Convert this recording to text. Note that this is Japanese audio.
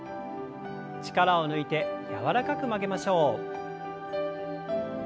力を抜いて柔らかく曲げましょう。